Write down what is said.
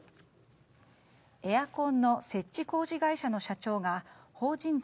エアコンの設置工事会社の社長が法人税